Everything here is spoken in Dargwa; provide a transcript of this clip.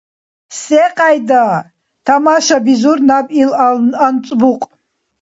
— Секьяйда? — тамашабизур наб ил анцӀбукь.